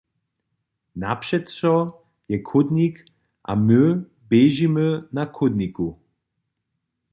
Napřećo je chódnik a my běžimy na chódniku.